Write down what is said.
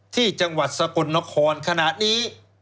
ที่จังหวัดสกลนครขณะนี้